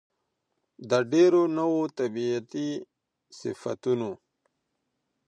د ډېرو نوو طبيعتي صفتونو